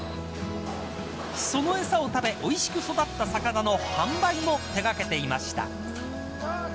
その餌を食べおいしく育った魚の販売も手掛けていました。